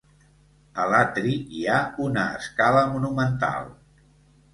A l'atri hi ha una escala monumental.